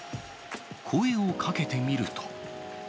声をかけてみると。